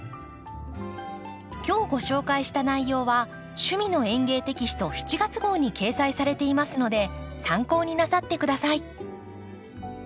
今日ご紹介した内容は「趣味の園芸」テキスト７月号に掲載されていますので参考になさって下さい。